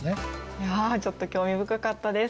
いやちょっと興味深かったです。